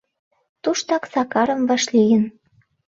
Туштак Сакарым вашлийын...